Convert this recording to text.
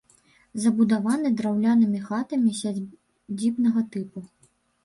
Забудаваны драўлянымі хатамі сядзібнага тыпу.